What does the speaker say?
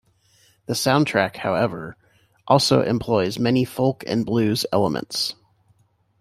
The soundtrack, however, also employs many folk and blues elements.